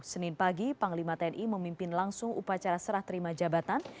senin pagi panglima tni memimpin langsung upacara serah terima jabatan